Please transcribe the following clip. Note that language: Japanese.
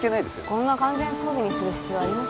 こんな完全装備にする必要あります？